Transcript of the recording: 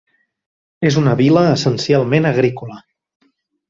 És una vila essencialment agrícola.